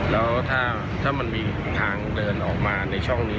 แล้วถ้ามันมีทางเดินออกมาในช่องนี้